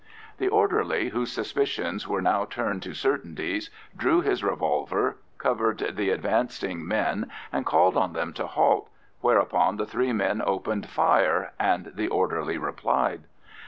The orderly, whose suspicions were now turned to certainties, drew his revolver, covered the advancing men, and called on them to halt; whereupon the three men opened fire, and the orderly replied.